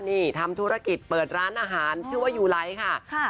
นี่ทำธุรกิจเปิดร้านอาหารชื่อว่ายูไลท์ค่ะ